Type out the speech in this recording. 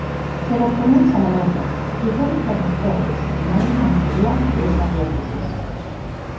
Se doctoró en Salamanca y fue vicerrector del Seminario Conciliar de esa diócesis.